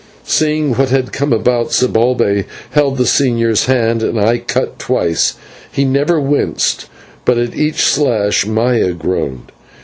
Seeing what had come about, Zibalbay held the señor's hand and I cut twice. He never winced, but at each slash Maya groaned.